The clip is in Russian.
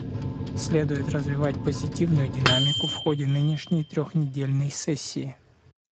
Следует развивать позитивную динамику в ходе нынешней трехнедельной сессии.